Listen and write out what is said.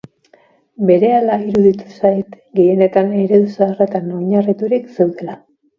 Berehala iruditu zait gehienak eredu zaharretan oinarriturik zeudela.